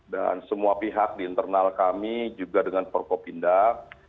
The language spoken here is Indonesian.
dan semua pihak di internal kami juga dengan pemprov pindah